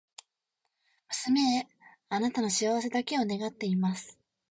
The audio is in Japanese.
娘へ、貴女の幸せだけを祈っています。